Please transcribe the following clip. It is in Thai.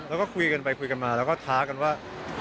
แล้วก็คุยกันไปคุยกันมาแล้วก็ท้ากันว่า